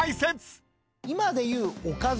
今でいうおかず。